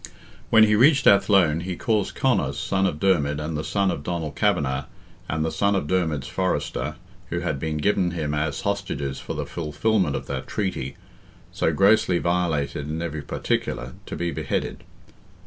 When he reached Athlone he caused Conor, son of Dermid, and the son of Donald Kavanagh, and the son of Dermid's fosterer, who had been given him as hostages for the fulfilment of that treaty, so grossly violated in every particular, to be beheaded.